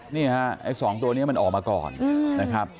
นี่ฮะไอ้๒ตัวนี้มันออกมาก่อนนะครับ